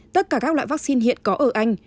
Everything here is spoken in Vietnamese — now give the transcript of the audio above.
tất cả các loại vắc xin hiện có ở anh